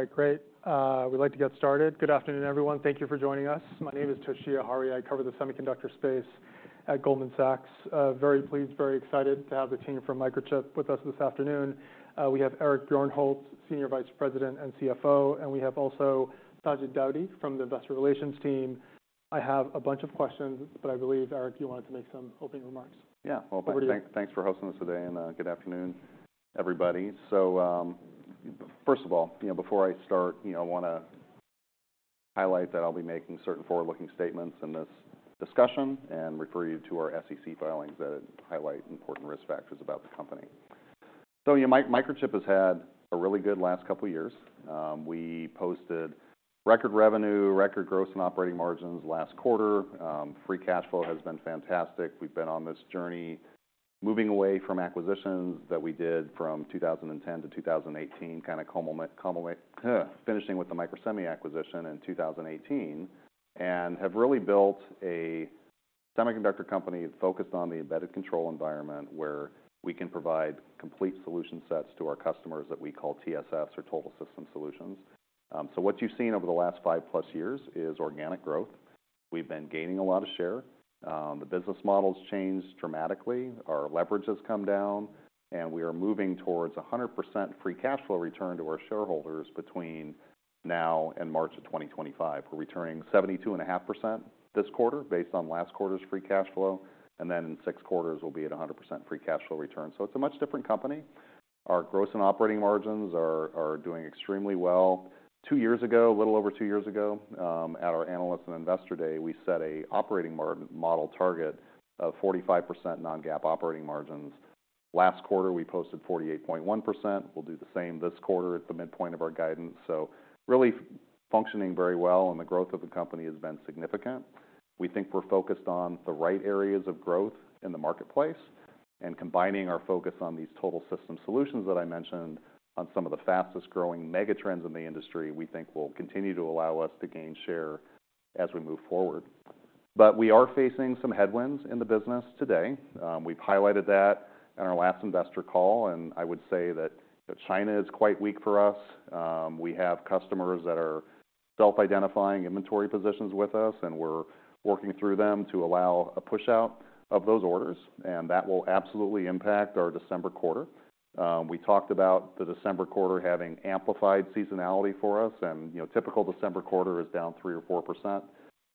All right, great. We'd like to get started. Good afternoon, everyone. Thank you for joining us. My name is Toshiya Hari. I cover the semiconductor space at Goldman Sachs. Very pleased, very excited to have the team from Microchip with us this afternoon. We have Eric Bjornholt, Senior Vice President and CFO, and we have also Sajid Daudi from the Investor Relations team. I have a bunch of questions, but I believe, Eric, you wanted to make some opening remarks. Yeah. Over to you. Well, thanks for hosting us today, and good afternoon, everybody. So, first of all, you know, before I start, you know, I wanna highlight that I'll be making certain forward-looking statements in this discussion and refer you to our SEC filings that highlight important risk factors about the company. So, yeah, Microchip has had a really good last couple of years. We posted record revenue, record gross, and operating margins last quarter. Free cash flow has been fantastic. We've been on this journey, moving away from acquisitions that we did from 2010 to 2018, kind of cumulatively finishing with the Microsemi acquisition in 2018, and have really built a semiconductor company focused on the embedded control environment, where we can provide complete solution sets to our customers that we call TSS, or Total System Solutions. So what you've seen over the last 5+ years is organic growth. We've been gaining a lot of share. The business model's changed dramatically. Our leverage has come down, and we are moving towards 100% free cash flow return to our shareholders between now and March 2025. We're returning 72.5% this quarter, based on last quarter's free cash flow, and then in six quarters, we'll be at a 100% free cash flow return. So it's a much different company. Our gross and operating margins are doing extremely well. Two years ago, a little over two years ago, at our Analyst and Investor Day, we set an operating margin model target of 45% non-GAAP operating margins. Last quarter, we posted 48.1%. We'll do the same this quarter at the midpoint of our guidance, so really functioning very well, and the growth of the company has been significant. We think we're focused on the right areas of growth in the marketplace and combining our focus on these total system solutions that I mentioned on some of the fastest-growing megatrends in the industry, we think will continue to allow us to gain share as we move forward. But we are facing some headwinds in the business today. We've highlighted that in our last investor call, and I would say that China is quite weak for us. We have customers that are self-identifying inventory positions with us, and we're working through them to allow a pushout of those orders, and that will absolutely impact our December quarter. We talked about the December quarter having amplified seasonality for us, and, you know, typical December quarter is down 3% or 4%,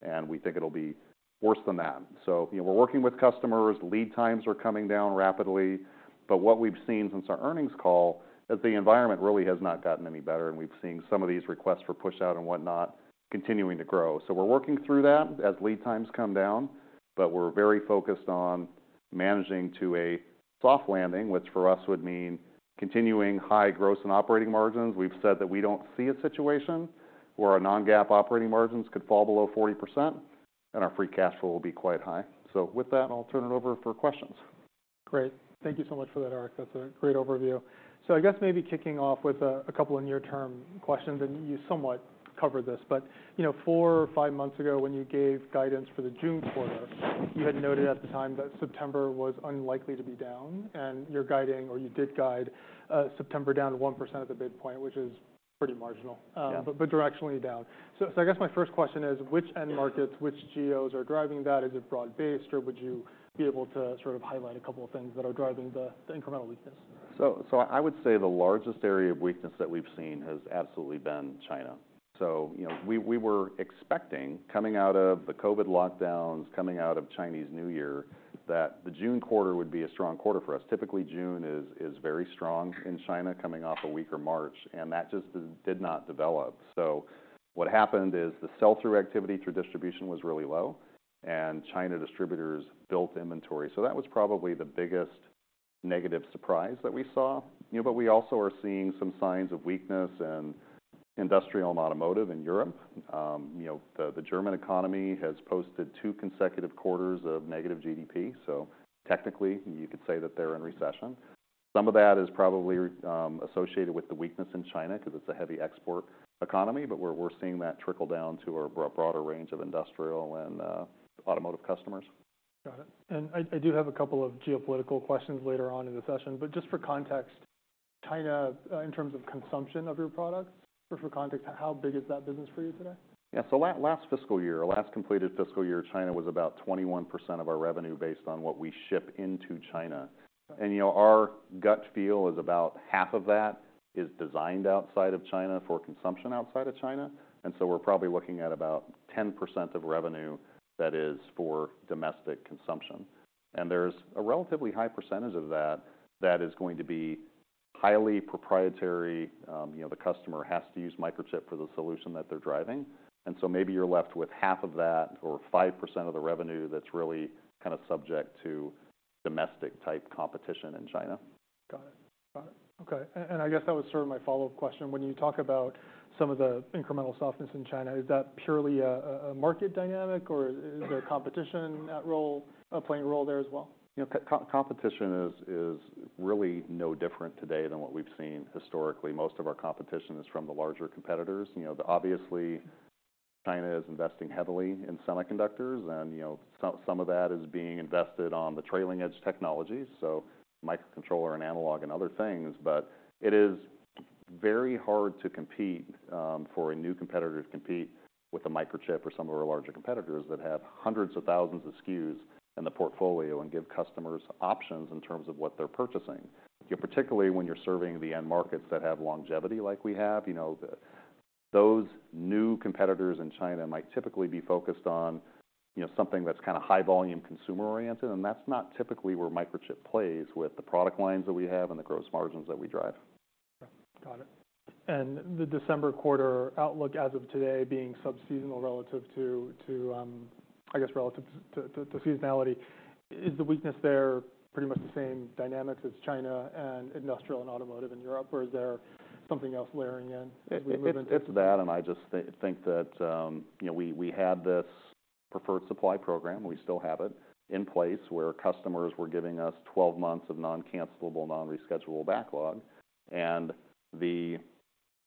and we think it'll be worse than that. So, you know, we're working with customers. Lead times are coming down rapidly, but what we've seen since our earnings call, is the environment really has not gotten any better, and we've seen some of these requests for pushout and whatnot, continuing to grow. So we're working through that as lead times come down, but we're very focused on managing to a soft landing, which for us would mean continuing high gross and operating margins. We've said that we don't see a situation where our non-GAAP operating margins could fall below 40%, and our free cash flow will be quite high. So with that, I'll turn it over for questions. Great. Thank you so much for that, Eric. That's a great overview. So I guess maybe kicking off with a couple of near-term questions, and you somewhat covered this, but, you know, four or five months ago, when you gave guidance for the June quarter, you had noted at the time that September was unlikely to be down, and you're guiding, or you did guide, September down to 1% at the midpoint, which is pretty marginal. Yeah. But directionally down. So I guess my first question is, which end markets, which geos are driving that? Is it broad-based, or would you be able to sort of highlight a couple of things that are driving the incremental weakness? So I would say the largest area of weakness that we've seen has absolutely been China. So, you know, we were expecting, coming out of the COVID lockdowns, coming out of Chinese New Year, that the June quarter would be a strong quarter for us. Typically, June is very strong in China, coming off a weaker March, and that just did not develop. So what happened is the sell-through activity through distribution was really low, and China distributors built inventory, so that was probably the biggest negative surprise that we saw. You know, but we also are seeing some signs of weakness in industrial and automotive in Europe. You know, the German economy has posted two consecutive quarters of negative GDP, so technically, you could say that they're in recession. Some of that is probably associated with the weakness in China because it's a heavy export economy, but we're seeing that trickle down to a broader range of industrial and automotive customers. Got it. And I do have a couple of geopolitical questions later on in the session, but just for context, China, in terms of consumption of your products, just for context, how big is that business for you today? Yeah. So last fiscal year, our last completed fiscal year, China was about 21% of our revenue based on what we ship into China. And, you know, our gut feel is about half of that is designed outside of China for consumption outside of China, and so we're probably looking at about 10% of revenue that is for domestic consumption. And there's a relatively high percentage of that, that is going to be highly proprietary, you know, the customer has to use Microchip for the solution that they're driving. And so maybe you're left with half of that or 5% of the revenue that's really kind of subject to domestic-type competition in China. Got it. Got it. Okay, and I guess that was sort of my follow-up question. When you talk about some of the incremental softness in China, is that purely a market dynamic, or is there competition in that role playing a role there as well? You know, competition is really no different today than what we've seen historically. Most of our competition is from the larger competitors. You know, obviously China is investing heavily in semiconductors, and, you know, some of that is being invested on the trailing edge technologies, so microcontroller and analog and other things. But it is very hard to compete for a new competitor to compete with a Microchip or some of our larger competitors that have hundreds of thousands of SKUs in the portfolio and give customers options in terms of what they're purchasing. Particularly, when you're serving the end markets that have longevity like we have, you know, those new competitors in China might typically be focused on, you know, something that's kind of high volume, consumer-oriented, and that's not typically where Microchip plays with the product lines that we have and the gross margins that we drive. Got it. And the December quarter outlook as of today, being subseasonal, I guess, relative to seasonality, is the weakness there pretty much the same dynamics as China and industrial and automotive in Europe, or is there something else layering in as we move into? It's that, and I just think that, you know, we had this Preferred Supply Program, we still have it in place where customers were giving us 12 months of non-cancellable, non-reschedule backlog. And the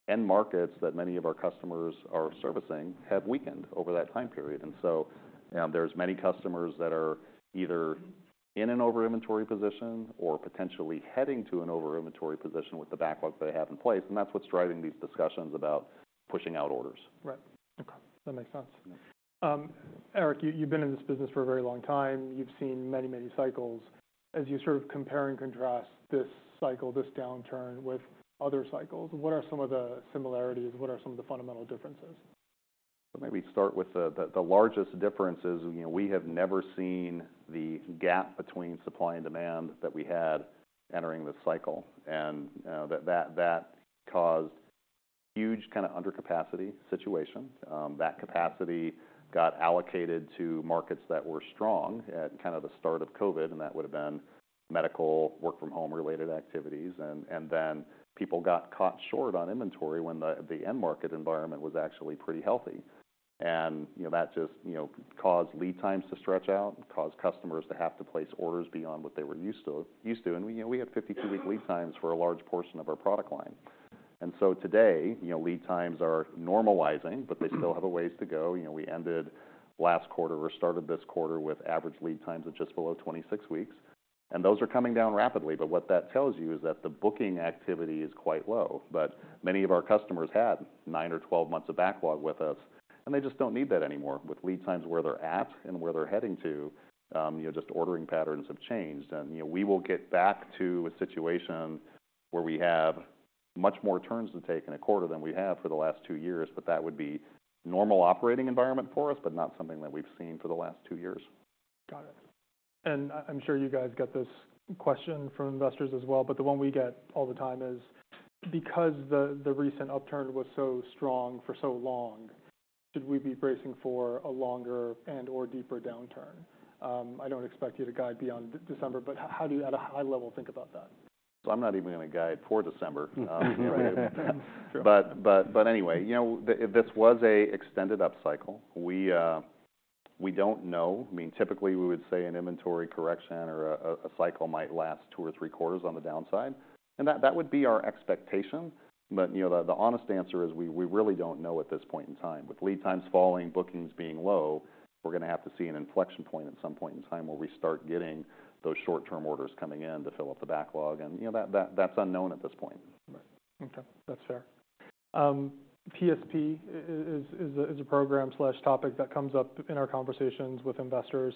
end markets that many of our customers are servicing have weakened over that time period. And so, there's many customers that are either in an over-inventory position or potentially heading to an over-inventory position with the backlog they have in place, and that's what's driving these discussions about pushing out orders. Right. Okay, that makes sense. Eric, you, you've been in this business for a very long time. You've seen many, many cycles. As you sort of compare and contrast this cycle, this downturn with other cycles, what are some of the similarities? What are some of the fundamental differences? Maybe start with the largest difference is, you know, we have never seen the gap between supply and demand that we had entering this cycle, and that caused huge kind of undercapacity situation. That capacity got allocated to markets that were strong at kind of the start of COVID, and that would've been medical, work from home-related activities, and then people got caught short on inventory when the end market environment was actually pretty healthy. And, you know, that just, you know, caused lead times to stretch out and caused customers to have to place orders beyond what they were used to. And, you know, we had 52-week lead times for a large portion of our product line. And so today, you know, lead times are normalizing, but they still have a ways to go. You know, we ended last quarter or started this quarter with average lead times of just below 26 weeks, and those are coming down rapidly. But what that tells you is that the booking activity is quite low. But many of our customers had 9 or 12 months of backlog with us, and they just don't need that anymore. With lead times where they're at and where they're heading to, you know, just ordering patterns have changed. And, you know, we will get back to a situation where we have much more turns to take in a quarter than we have for the last two years, but that would be normal operating environment for us, but not something that we've seen for the last two years. Got it. I’m sure you guys get this question from investors as well, but the one we get all the time is: because the recent upturn was so strong for so long, should we be bracing for a longer and/or deeper downturn? I don’t expect you to guide beyond December, but how do you, at a high level, think about that? I'm not even going to guide for December. True. Anyway, you know, this was an extended upcycle. We, we don't know. I mean, typically, we would say an inventory correction or a cycle might last two or three quarters on the downside, and that would be our expectation. But, you know, the honest answer is, we really don't know at this point in time. With lead times falling, bookings being low, we're gonna have to see an inflection point at some point in time where we start getting those short-term orders coming in to fill up the backlog. And, you know, that's unknown at this point. Right. Okay, that's fair. PSP is a program/topic that comes up in our conversations with investors.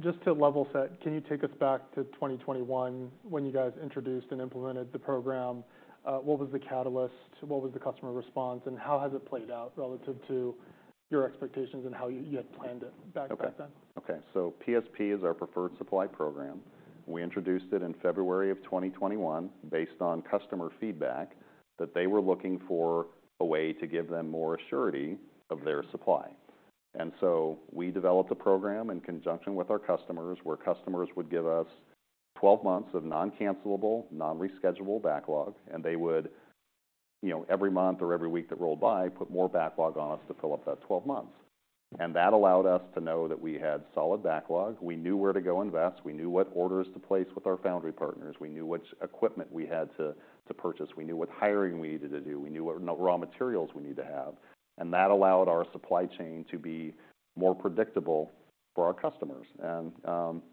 Just to level set, can you take us back to 2021 when you guys introduced and implemented the program? What was the catalyst? What was the customer response, and how has it played out relative to your expectations and how you had planned it back then? Okay. Okay, so PSP is our Preferred Supply Program. We introduced it in February of 2021 based on customer feedback, that they were looking for a way to give them more assurance of their supply. So we developed a program in conjunction with our customers, where customers would give us 12 months of non-cancellable, non-reschedulable backlog, and they would, you know, every month or every week that rolled by, put more backlog on us to fill up that 12 months. And that allowed us to know that we had solid backlog. We knew where to go invest, we knew what orders to place with our foundry partners, we knew which equipment we had to purchase, we knew what hiring we needed to do, we knew what raw materials we need to have, and that allowed our supply chain to be more predictable for our customers. You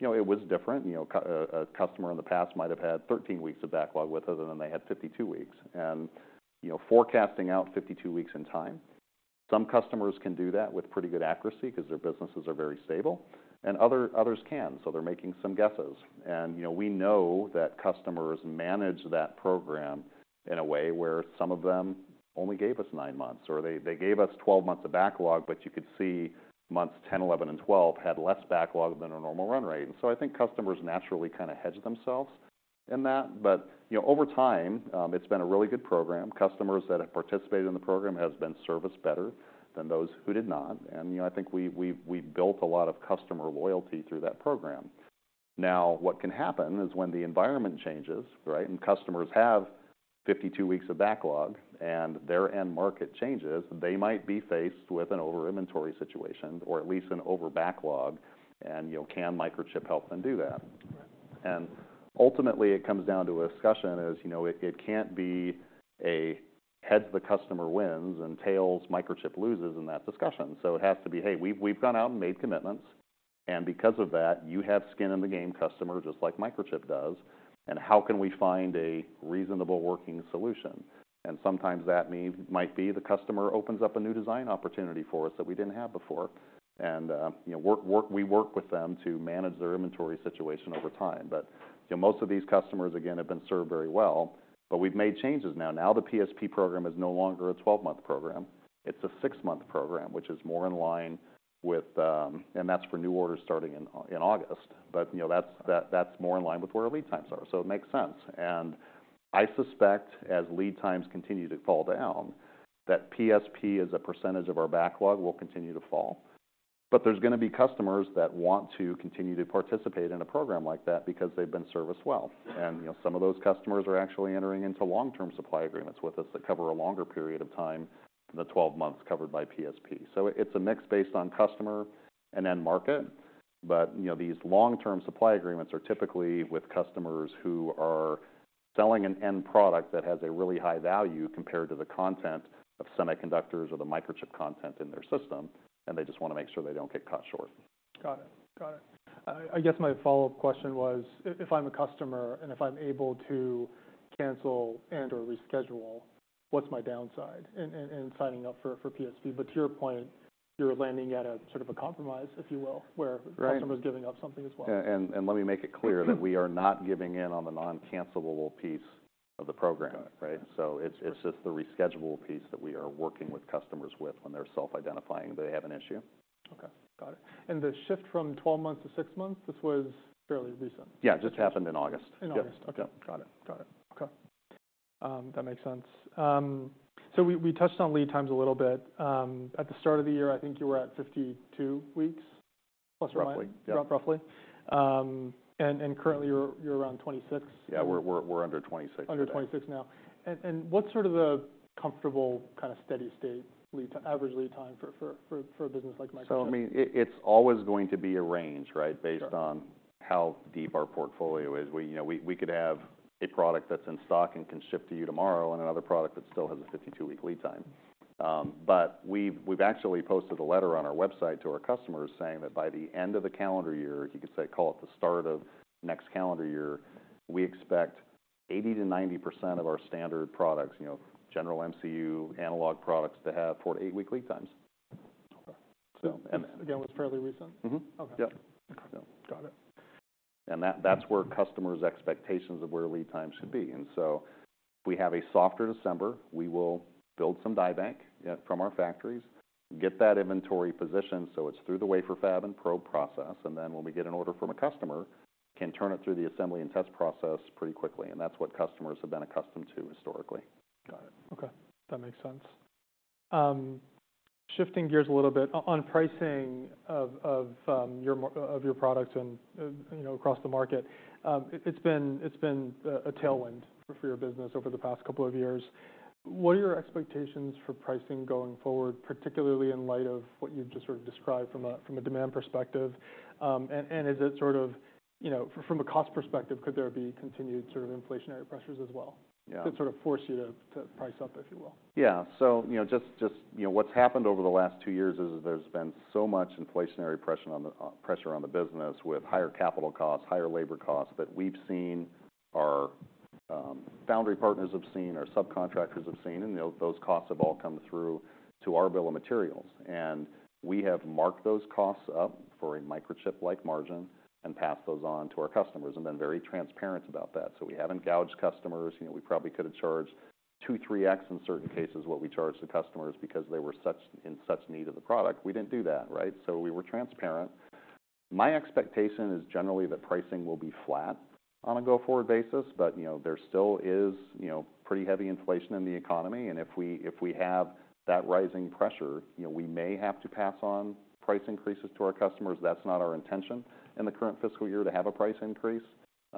know, it was different. You know, a customer in the past might have had 13 weeks of backlog with us, and then they had 52 weeks. You know, forecasting out 52 weeks in time, some customers can do that with pretty good accuracy because their businesses are very stable, and others can't, so they're making some guesses. You know, we know that customers manage that program in a way where some of them only gave us 9 months, or they gave us 12 months of backlog, but you could see months 10, 11, and 12 had less backlog than our normal run rate. So I think customers naturally kind of hedge themselves in that. You know, over time, it's been a really good program. Customers that have participated in the program have been serviced better than those who did not, and, you know, I think we've built a lot of customer loyalty through that program. Now, what can happen is when the environment changes, right, and customers have 52 weeks of backlog and their end market changes, they might be faced with an over-inventory situation or at least an over backlog, and, you know, can Microchip help them do that? Right.... Ultimately, it comes down to a discussion, as you know. It can't be heads, the customer wins, and tails, Microchip loses in that discussion. So it has to be, "Hey, we've gone out and made commitments, and because of that, you have skin in the game, customer, just like Microchip does, and how can we find a reasonable working solution?" Sometimes that means might be the customer opens up a new design opportunity for us that we didn't have before, and, you know, we work with them to manage their inventory situation over time. But, you know, most of these customers, again, have been served very well, but we've made changes now. Now, the PSP program is no longer a 12-month program. It's a 6-month program, which is more in line with... That's for new orders starting in August. But, you know, that's more in line with where our lead times are, so it makes sense. And I suspect, as lead times continue to fall down, that PSP, as a percentage of our backlog, will continue to fall. But there's gonna be customers that want to continue to participate in a program like that because they've been serviced well. And, you know, some of those customers are actually entering into long-term supply agreements with us that cover a longer period of time than the 12 months covered by PSP. So it's a mix based on customer and end market, but, you know, these long-term supply agreements are typically with customers who are selling an end product that has a really high value compared to the content of semiconductors or the Microchip content in their system, and they just wanna make sure they don't get caught short. Got it. Got it. I guess my follow-up question was, if I'm a customer, and if I'm able to cancel and/or reschedule, what's my downside in signing up for PSP? But to your point, you're landing at a sort of a compromise, if you will- Right... where the customer is giving up something as well. Yeah, and let me make it clear that we are not giving in on the noncancelable piece of the program. Got it. Right? So it's, it's just the reschedulable piece that we are working with customers with when they're self-identifying that they have an issue. Okay, got it. And the shift from 12 months to 6 months, this was fairly recent? Yeah, just happened in August. In August? Yep. Okay. Yep. Got it. Got it. Okay, that makes sense. So we touched on lead times a little bit. At the start of the year, I think you were at 52 weeks ±? Roughly, yep. Roughly. And currently, you're around 26. Yeah, we're under 26 today. Under 26 now. And what's sort of a comfortable, kind of, steady state lead time, average lead time for a business like Microchip? So, I mean, it's always going to be a range, right- Sure... based on how deep our portfolio is. We, you know, could have a product that's in stock and can ship to you tomorrow, and another product that still has a 52-week lead time. But we've actually posted a letter on our website to our customers, saying that by the end of the calendar year, you could say, call it the start of next calendar year, we expect 80%-90% of our standard products, you know, general MCU, analog products, to have 4-8-week lead times. Okay. So, and- Again, that's fairly recent? Mm-hmm. Okay. Yep. Yeah. Got it. That, that's where customers' expectations of where lead time should be. So if we have a softer December, we will build some die bank from our factories, get that inventory positioned, so it's through the wafer fab and probe process, and then when we get an order from a customer, can turn it through the assembly and test process pretty quickly, and that's what customers have been accustomed to historically. Got it. Okay, that makes sense. Shifting gears a little bit, on pricing of your products and, you know, across the market, it's been a tailwind for your business over the past couple of years. What are your expectations for pricing going forward, particularly in light of what you've just sort of described from a demand perspective? And is it sort of... You know, from a cost perspective, could there be continued sort of inflationary pressures as well? Yeah... that sort of force you to price up, if you will? Yeah. So, you know, just, just, you know, what's happened over the last two years is there's been so much inflationary pressure on the pressure on the business, with higher capital costs, higher labor costs, that we've seen, our foundry partners have seen, our subcontractors have seen, and, you know, those costs have all come through to our bill of materials. And we have marked those costs up for a Microchip-like margin and passed those on to our customers, and been very transparent about that. So we haven't gouged customers. You know, we probably could have charged 2, 3x, in certain cases, what we charged the customers, because they were such, in such need of the product. We didn't do that, right? So we were transparent. My expectation is generally that pricing will be flat on a go-forward basis, but, you know, there still is, you know, pretty heavy inflation in the economy, and if we, if we have that rising pressure, you know, we may have to pass on price increases to our customers. That's not our intention in the current fiscal year, to have a price increase.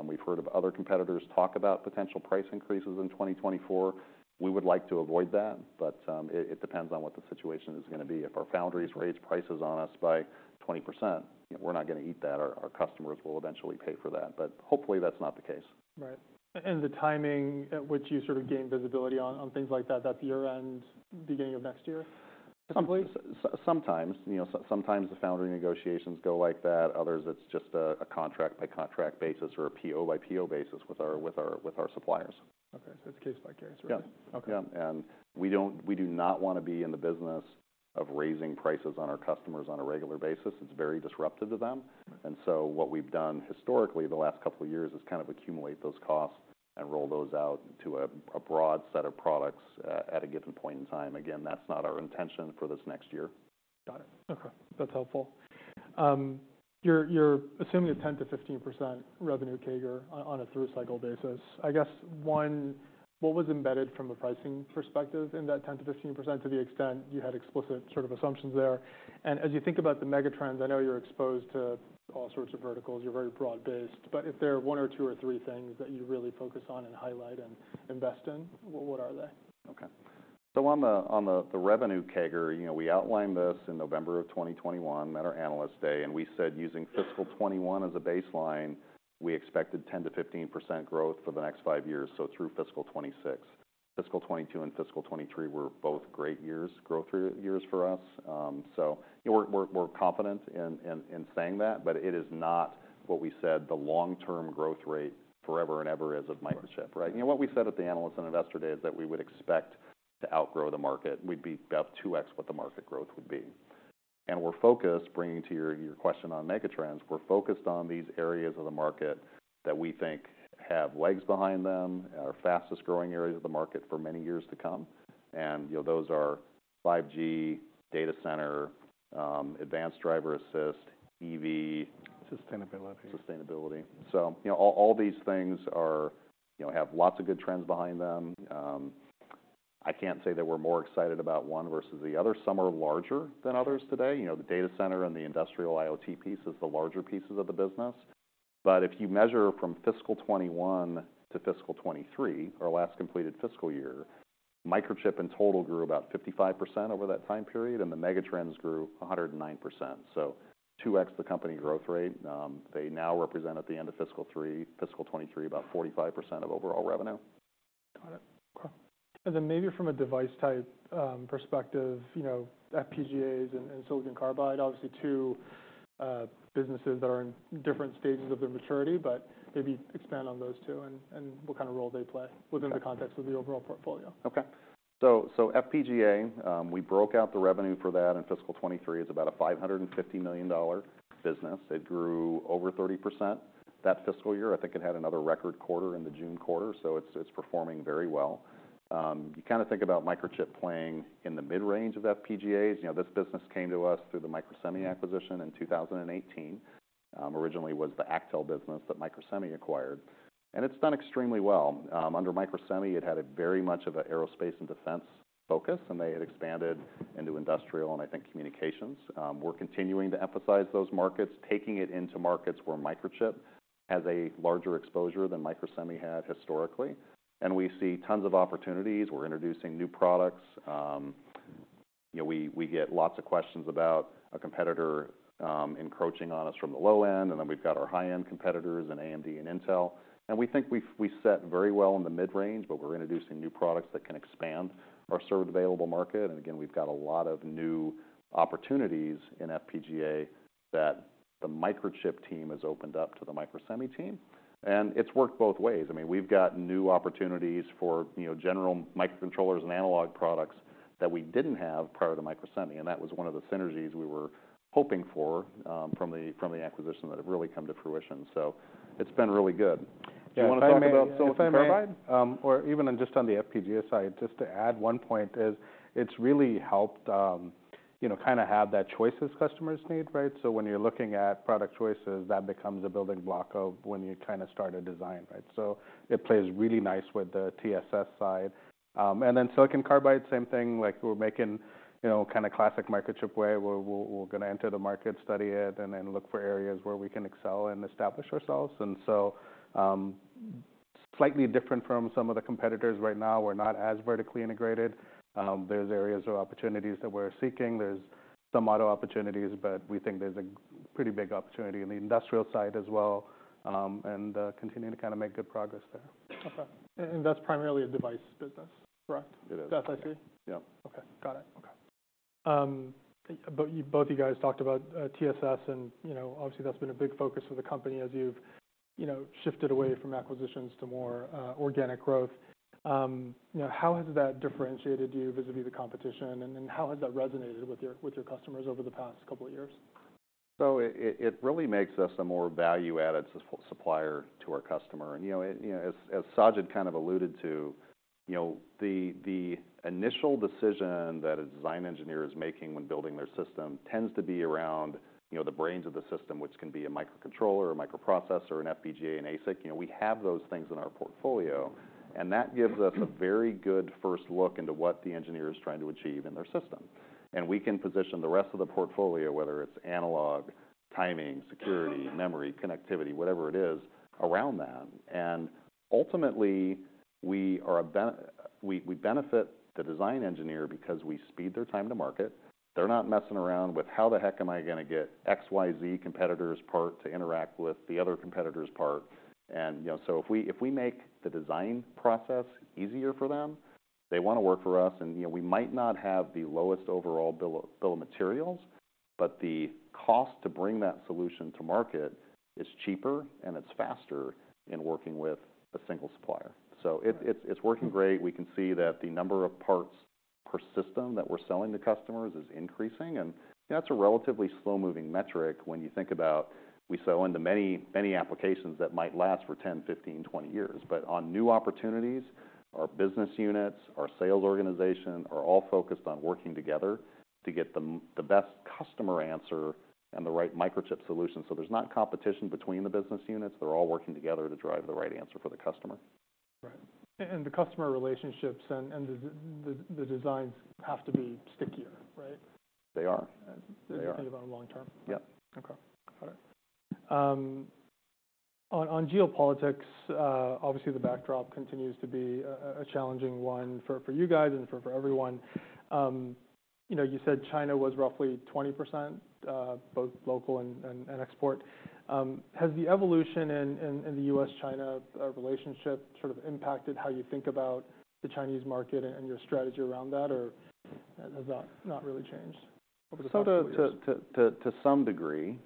We've heard of other competitors talk about potential price increases in 2024. We would like to avoid that, but, it, it depends on what the situation is gonna be. If our foundries raise prices on us by 20%, you know, we're not gonna eat that. Our, our customers will eventually pay for that, but hopefully, that's not the case. Right. And the timing at which you sort of gain visibility on, on things like that, that's year-end, beginning of next year, typically? Sometimes. You know, so sometimes the foundry negotiations go like that. Others, it's just a contract-by-contract basis or a PO-by-PO basis with our suppliers. Okay. So it's case by case, right? Yeah. Okay. Yeah, and we do not wanna be in the business of raising prices on our customers on a regular basis. It's very disruptive to them. Right. And so what we've done historically, the last couple of years, is kind of accumulate those costs and roll those out to a broad set of products at a given point in time. Again, that's not our intention for this next year. Got it. Okay, that's helpful. You're, you're assuming a 10%-15% revenue CAGR on, on a through-cycle basis. I guess, one, what was embedded from a pricing perspective in that 10%-15%, to the extent you had explicit sort of assumptions there? And as you think about the mega trends, I know you're exposed to all sorts of verticals, you're very broad-based, but if there are one or two or three things that you really focus on and highlight and invest in, what, what are they? So on the revenue CAGR, you know, we outlined this in November 2021, at our Analyst Day, and we said, using fiscal 2021 as a baseline, we expected 10%-15% growth for the next five years, so through fiscal 2026. Fiscal 2022 and fiscal 2023 were both great years, growth years for us. So, you know, we're confident in saying that, but it is not what we said the long-term growth rate forever and ever is of Microchip, right? You know, what we said at the Analyst and Investor Day is that we would expect to outgrow the market. We'd be about 2x what the market growth would be. We're focused, bringing to your question on megatrends, we're focused on these areas of the market that we think have legs behind them, our fastest-growing areas of the market for many years to come, and, you know, those are: 5G, data center, advanced driver assist, EV- Sustainability. Sustainability. So, you know, all, all these things are, you know, have lots of good trends behind them. I can't say that we're more excited about one versus the other. Some are larger than others today. You know, the data center and the industrial IoT piece is the larger pieces of the business. But if you measure from fiscal 2021 to fiscal 2023, our last completed fiscal year, Microchip in total grew about 55% over that time period, and the megatrends grew 109%. So 2x the company growth rate, they now represent, at the end of fiscal 2023, about 45% of overall revenue. Got it. Okay. And then maybe from a device-type perspective, you know, FPGAs and silicon carbide, obviously, two businesses that are in different stages of their maturity, but maybe expand on those two and what kind of role they play within the context of the overall portfolio. Okay. So FPGA, we broke out the revenue for that in fiscal 2023. It's about a $550 million business. It grew over 30% that fiscal year. I think it had another record quarter in the June quarter, so it's performing very well. You kind of think about Microchip playing in the mid-range of FPGAs. You know, this business came to us through the Microsemi acquisition in 2018. Originally, it was the Actel business that Microsemi acquired, and it's done extremely well. Under Microsemi, it had a very much of a aerospace and defense focus, and they had expanded into industrial and, I think, communications. We're continuing to emphasize those markets, taking it into markets where Microchip has a larger exposure than Microsemi had historically. And we see tons of opportunities. We're introducing new products. You know, we, we get lots of questions about a competitor encroaching on us from the low end, and then we've got our high-end competitors in AMD and Intel. And we think we sit very well in the mid-range, but we're introducing new products that can expand our served available market. And again, we've got a lot of new opportunities in FPGA that the Microchip team has opened up to the Microsemi team, and it's worked both ways. I mean, we've got new opportunities for, you know, general microcontrollers and analog products that we didn't have prior to Microsemi, and that was one of the synergies we were hoping for from the acquisition that have really come to fruition. So it's been really good. Do you want to talk about silicon carbide? Or even in, just on the FPGA side, just to add one point is, it's really helped, you know, kind of have that choices customers need, right? So when you're looking at product choices, that becomes a building block of when you kind of start a design, right? So it plays really nice with the TSS side. And then silicon carbide, same thing. Like, we're making, you know, kind of classic Microchip way, where we're, we're gonna enter the market, study it, and then look for areas where we can excel and establish ourselves. And so, slightly different from some of the competitors right now. We're not as vertically integrated. There's areas or opportunities that we're seeking. There's some auto opportunities, but we think there's a pretty big opportunity in the industrial side as well, and continuing to kind of make good progress there. Okay. And that's primarily a device business, correct? It is. That's IC. Yep. Okay. Got it. Okay. But you, both you guys talked about TSS, and, you know, obviously, that's been a big focus of the company as you've, you know, shifted away from acquisitions to more organic growth. You know, how has that differentiated you vis-a-vis the competition, and then how has that resonated with your, with your customers over the past couple of years? So it really makes us a more value-added supplier to our customer. And, you know, it, you know, as Sajid kind of alluded to, you know, the initial decision that a design engineer is making when building their system tends to be around, you know, the brains of the system, which can be a microcontroller, a microprocessor, an FPGA, an ASIC. You know, we have those things in our portfolio, and that gives us a very good first look into what the engineer is trying to achieve in their system. And we can position the rest of the portfolio, whether it's analog, timing, security, memory, connectivity, whatever it is, around that. And ultimately, we benefit the design engineer because we speed their time to market. They're not messing around with, "How the heck am I gonna get XYZ competitor's part to interact with the other competitor's part?" And, you know, so if we, if we make the design process easier for them, they want to work for us. And, you know, we might not have the lowest overall bill of, bill of materials, but the cost to bring that solution to market is cheaper and it's faster in working with a single supplier. So it, it's, it's working great. We can see that the number of parts per system that we're selling to customers is increasing, and that's a relatively slow-moving metric when you think about, we sell into many, many applications that might last for 10, 15, 20 years. On new opportunities, our business units, our sales organization are all focused on working together to get the best customer answer and the right Microchip solution. There's not competition between the business units. They're all working together to drive the right answer for the customer. Right. And the customer relationships and the designs have to be stickier.... They are. They think about long term? Yep. Okay. All right. On geopolitics, obviously, the backdrop continues to be a challenging one for you guys and for everyone. You know, you said China was roughly 20%, both local and export. Has the evolution in the US-China relationship sort of impacted how you think about the Chinese market and your strategy around that, or has that not really changed over the past few years? So to some degree,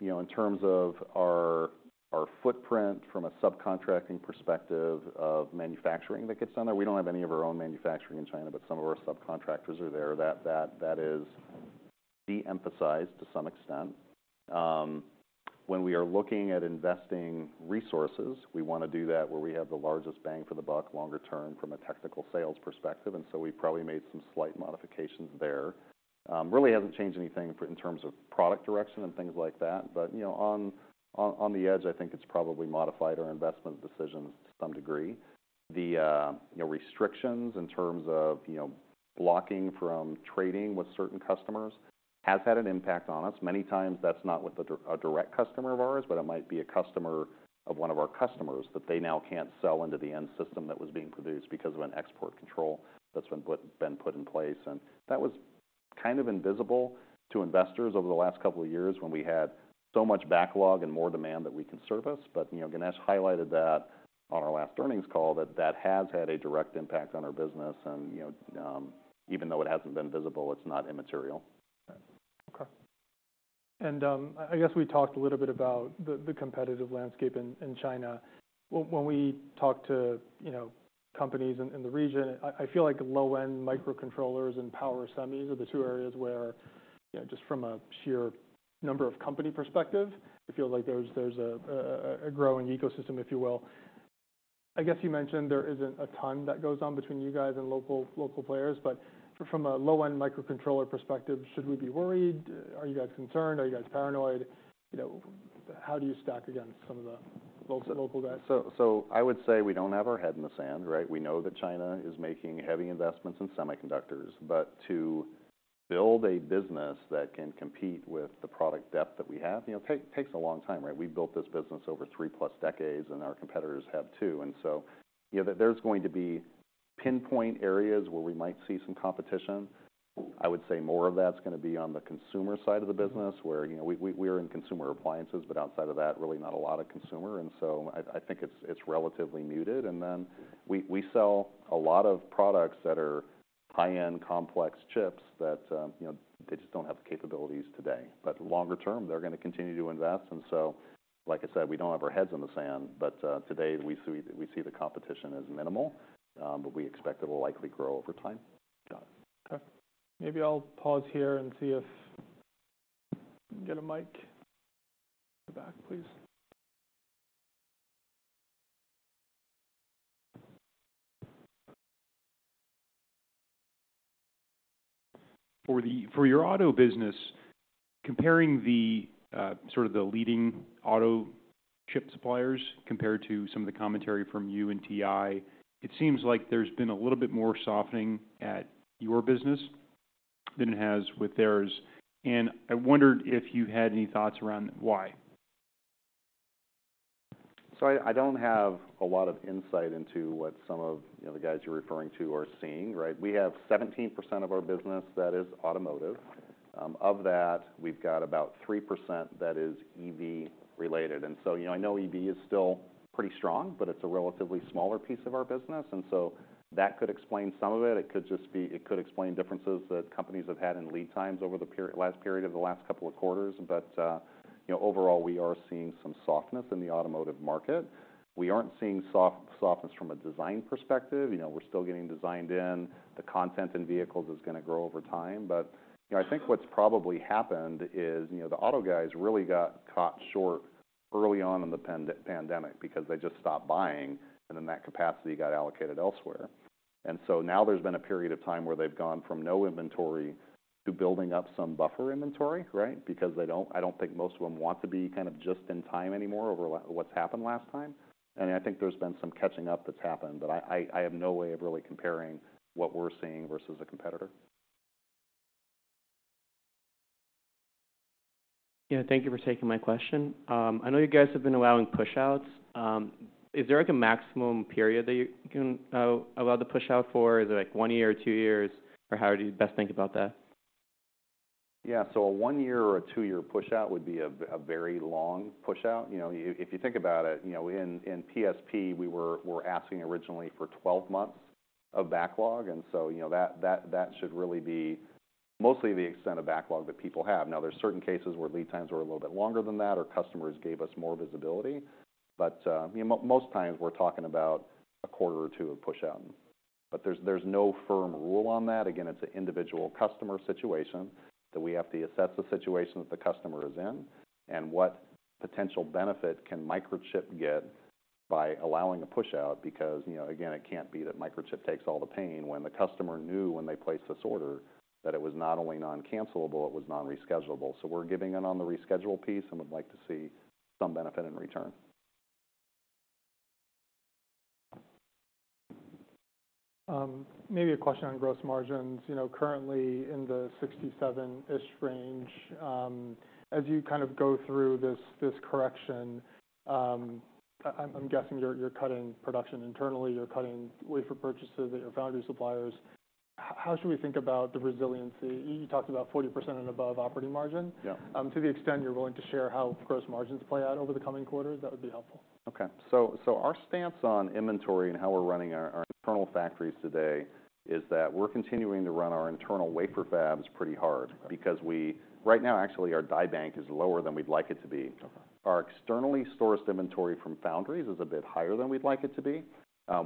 you know, in terms of our footprint from a subcontracting perspective of manufacturing that gets done there, we don't have any of our own manufacturing in China, but some of our subcontractors are there. That is de-emphasized to some extent. When we are looking at investing resources, we want to do that where we have the largest bang for the buck, longer term from a technical sales perspective, and so we probably made some slight modifications there. Really hasn't changed anything in terms of product direction and things like that, but, you know, on the edge, I think it's probably modified our investment decisions to some degree. The, you know, restrictions in terms of, you know, blocking from trading with certain customers has had an impact on us. Many times that's not with a direct customer of ours, but it might be a customer of one of our customers, that they now can't sell into the end system that was being produced because of an export control that's been put in place. And that was kind of invisible to investors over the last couple of years when we had so much backlog and more demand that we can service. But, you know, Ganesh highlighted that on our last earnings call, that that has had a direct impact on our business and, you know, even though it hasn't been visible, it's not immaterial. Okay. And, I guess we talked a little bit about the competitive landscape in China. When we talk to, you know, companies in the region, I feel like low-end microcontrollers and power semis are the two areas where, you know, just from a sheer number of company perspective, I feel like there's a growing ecosystem, if you will. I guess you mentioned there isn't a ton that goes on between you guys and local players, but from a low-end microcontroller perspective, should we be worried? Are you guys concerned? Are you guys paranoid? You know, how do you stack against some of the local guys? So, I would say we don't have our head in the sand, right? We know that China is making heavy investments in semiconductors, but to build a business that can compete with the product depth that we have, you know, takes a long time, right? We've built this business over three-plus decades, and our competitors have, too. So, you know, there's going to be pinpoint areas where we might see some competition. I would say more of that's going to be on the consumer side of the business, where, you know, we're in consumer appliances, but outside of that, really not a lot of consumer, and so I think it's relatively muted. And then we sell a lot of products that are high-end, complex chips that, you know, they just don't have the capabilities today. But longer term, they're going to continue to invest, and so, like I said, we don't have our heads in the sand, but today we see the competition as minimal, but we expect it will likely grow over time. Got it. Okay. Maybe I'll pause here and see if I can get a mic at the back, please. For your auto business, comparing the sort of the leading auto chip suppliers compared to some of the commentary from you and TI, it seems like there's been a little bit more softening at your business than it has with theirs. And I wondered if you had any thoughts around why? So I don't have a lot of insight into what some of, you know, the guys you're referring to are seeing, right? We have 17% of our business that is automotive. Of that, we've got about 3% that is EV-related. And so, you know, I know EV is still pretty strong, but it's a relatively smaller piece of our business, and so that could explain some of it. It could just be, it could explain differences that companies have had in lead times over the period, last period of the last couple of quarters. But, you know, overall, we are seeing some softness in the automotive market. We aren't seeing softness from a design perspective. You know, we're still getting designed in. The content in vehicles is going to grow over time. But, you know, I think what's probably happened is, you know, the auto guys really got caught short early on in the pandemic because they just stopped buying, and then that capacity got allocated elsewhere. And so now there's been a period of time where they've gone from no inventory to building up some buffer inventory, right? Because they don't, I don't think most of them want to be kind of just in time anymore over what's happened last time. And I think there's been some catching up that's happened, but I, I, I have no way of really comparing what we're seeing versus a competitor. Yeah, thank you for taking my question. I know you guys have been allowing pushouts. Is there, like, a maximum period that you can allow the pushout for? Is it, like, one year or two years, or how do you best think about that? Yeah. So a 1-year or a 2-year pushout would be a very long pushout. You know, if you think about it, you know, in PSP, we're asking originally for 12 months of backlog, and so, you know, that should really be mostly the extent of backlog that people have. Now, there's certain cases where lead times were a little bit longer than that, or customers gave us more visibility, but, you know, most times we're talking about a quarter or 2 of pushout. But there's no firm rule on that. Again, it's an individual customer situation that we have to assess the situation that the customer is in and what potential benefit can Microchip get by allowing a pushout, because, you know, again, it can't be that Microchip takes all the pain when the customer knew when they placed this order that it was not only non-cancellable, it was non-rescheduleable. So we're giving in on the reschedule piece and would like to see some benefit in return. ... Maybe a question on gross margins. You know, currently in the 67-ish range, as you kind of go through this, this correction, I'm guessing you're, you're cutting production internally, you're cutting wafer purchases at your foundry suppliers. How should we think about the resiliency? You talked about 40% and above operating margin. Yeah. To the extent you're willing to share how gross margins play out over the coming quarters, that would be helpful. Okay. So our stance on inventory and how we're running our internal factories today is that we're continuing to run our internal wafer fabs pretty hard, because right now, actually, our Die Bank is lower than we'd like it to be. Okay. Our externally sourced inventory from foundries is a bit higher than we'd like it to be.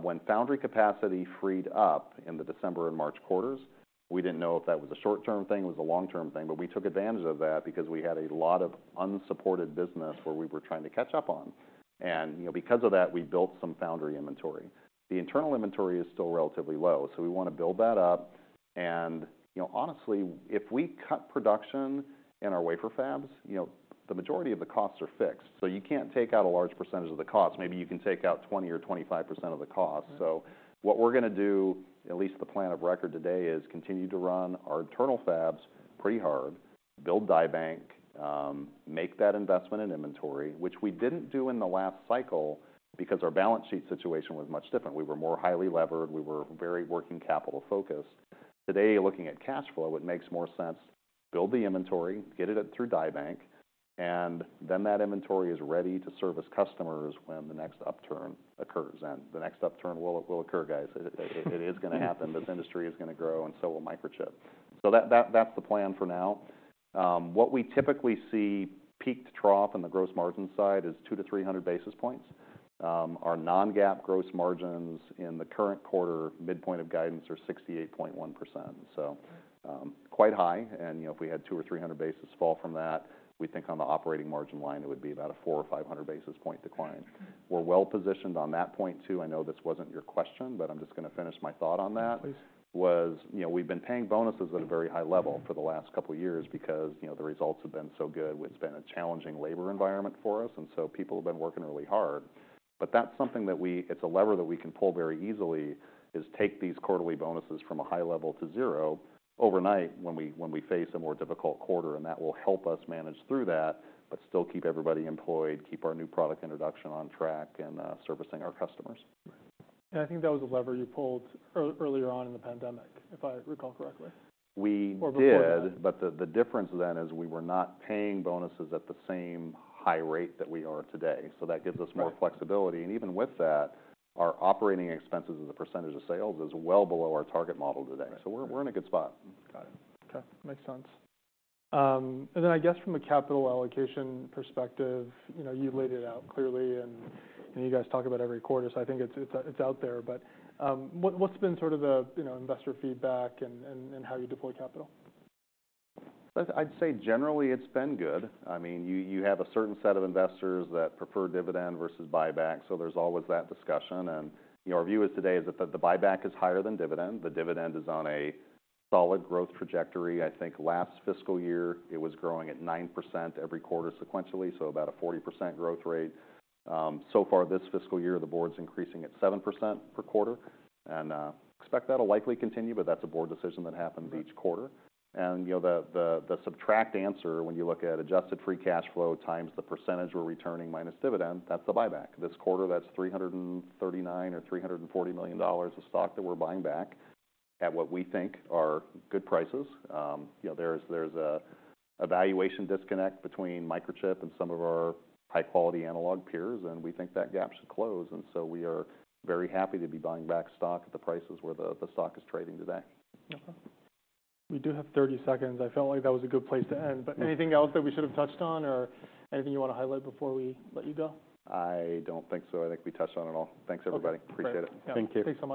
When foundry capacity freed up in the December and March quarters, we didn't know if that was a short-term thing or it was a long-term thing, but we took advantage of that because we had a lot of unsupported business where we were trying to catch up on. And, you know, because of that, we built some foundry inventory. The internal inventory is still relatively low, so we want to build that up. And, you know, honestly, if we cut production in our wafer fabs, you know, the majority of the costs are fixed, so you can't take out a large percentage of the cost. Maybe you can take out 20 or 25% of the cost. Mm-hmm. So what we're gonna do, at least the plan of record today, is continue to run our internal fabs pretty hard, build Die Bank, make that investment in inventory, which we didn't do in the last cycle because our balance sheet situation was much different. We were more highly levered. We were very working capital focused. Today, looking at cash flow, it makes more sense, build the inventory, get it up through Die Bank, and then that inventory is ready to service customers when the next upturn occurs, and the next upturn will occur, guys. It is gonna happen. This industry is gonna grow, and so will Microchip. So that's the plan for now. What we typically see, peak to trough on the gross margin side is 200-300 basis points. Our non-GAAP gross margins in the current quarter, midpoint of guidance are 68.1%, so, quite high. You know, if we had 200-300 basis points fall from that, we think on the operating margin line, it would be about a 400-500 basis point decline. We're well positioned on that point, too. I know this wasn't your question, but I'm just gonna finish my thought on that- Please. was, you know, we've been paying bonuses at a very high level for the last couple of years because, you know, the results have been so good. It's been a challenging labor environment for us, and so people have been working really hard. But that's something that we... It's a lever that we can pull very easily, is take these quarterly bonuses from a high level to zero overnight when we face a more difficult quarter, and that will help us manage through that, but still keep everybody employed, keep our new product introduction on track, and servicing our customers. I think that was a lever you pulled earlier on in the pandemic, if I recall correctly. We did- Or before that.... but the difference then is we were not paying bonuses at the same high rate that we are today, so that gives us- Right… more flexibility. Even with that, our operating expenses as a percentage of sales is well below our target model today. Right. So we're in a good spot. Got it. Okay, makes sense. And then I guess from a capital allocation perspective, you know, you've laid it out clearly, and you guys talk about it every quarter, so I think it's out there. But what's been sort of the, you know, investor feedback and how you deploy capital? I'd say generally, it's been good. I mean, you, you have a certain set of investors that prefer dividend versus buyback, so there's always that discussion. You know, our view is today is that the buyback is higher than dividend. The dividend is on a solid growth trajectory. I think last fiscal year, it was growing at 9% every quarter sequentially, so about a 40% growth rate. So far this fiscal year, the board's increasing at 7% per quarter, and expect that'll likely continue, but that's a board decision that happens each quarter. Right. You know, the subtract answer, when you look at adjusted free cash flow times the percentage we're returning minus dividend, that's the buyback. This quarter, that's $339 million or $340 million. Mm-hmm... of stock that we're buying back at what we think are good prices. You know, there's a valuation disconnect between Microchip and some of our high-quality analog peers, and we think that gap should close, and so we are very happy to be buying back stock at the prices where the stock is trading today. Okay. We do have 30 seconds. I felt like that was a good place to end, but anything else that we should have touched on, or anything you want to highlight before we let you go? I don't think so. I think we touched on it all. Thanks, everybody. Okay. Appreciate it. Great. Thank you. Thanks so much.